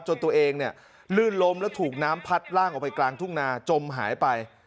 จนตัวเองเนี่ยลื่นล้มแล้วถูกน้ำพัดล่างออกไปกลางทุ่งนาจมหายไป